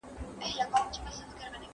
¬ چي غورځي، هغه پرځي.